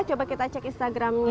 coba kita cek instagramnya